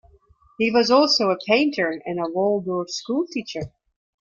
He was also a painter and a Waldorf school teacher.